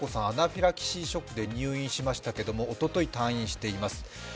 アナフィラキシーショックで入院しましたけれども、おととい退院しています。